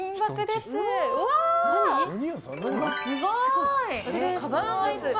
すごい！